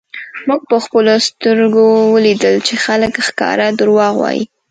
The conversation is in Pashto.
مونږ په خپلو سترږو ولیدل چی خلک ښکاره درواغ وایی